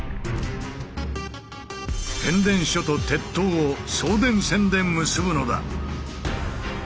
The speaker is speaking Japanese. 変電所と鉄塔を送電線で結ぶのだ。